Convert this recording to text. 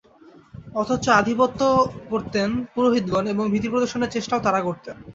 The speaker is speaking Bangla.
অথচ আধিপত্য করতেন পুরোহিতগণ এবং ভীতিপ্রদর্শনের চেষ্টাও তাঁরা করতেন।